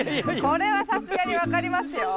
これはさすがに分かりますよ。